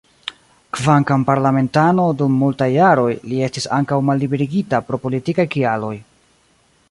Kvankam parlamentano dum multaj jaroj, li estis ankaŭ malliberigita pro politikaj kialoj.